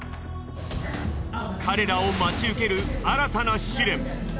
彼らを待ち受ける新たな試練。